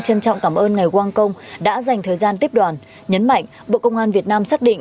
trân trọng cảm ơn ngài wang kong đã dành thời gian tiếp đoàn nhấn mạnh bộ công an việt nam xác định